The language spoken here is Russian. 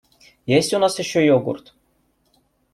Есть у нас ещё йогурт?